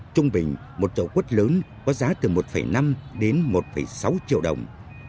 trung bình một chậu quất lớn có giá từ một năm đến một sáu triệu đồng